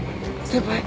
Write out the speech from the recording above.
先輩！